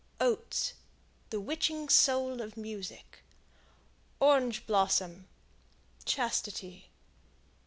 Oats The witching soul of music. Orange Blossoms Chastity.